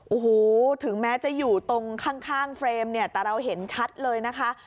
โอ้โหถึงแม้จะอยู่ตรงข้างเฟรมเนี่ยแต่เราเห็นชัดเลยนะคะ